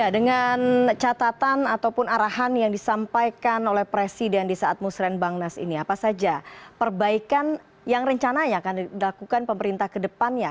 dengan catatan ataupun arahan yang disampaikan oleh presiden di saat musren bang nas ini apa saja perbaikan yang rencananya akan dilakukan pemerintah ke depannya